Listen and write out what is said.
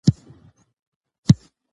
هغوی به په هغه وخت کې په خپلو مېزو ناست وي.